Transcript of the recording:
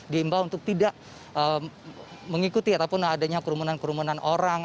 diimbau untuk tidak mengikuti ataupun adanya kerumunan kerumunan orang